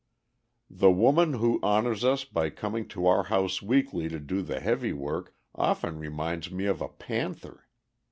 The woman who honors us by coming to our house weekly to do the heavy work, often reminds me of a panther.